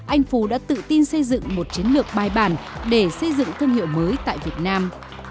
anh phú đã tự tin xây dựng một chiến lược bài bản để xây dựng thương hiệu mới tại việt nam